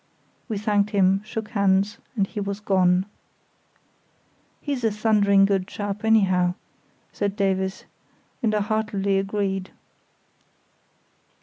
We thanked him, shook hands, and he was gone. "He's a thundering good chap, anyhow," said Davies; and I heartily agreed.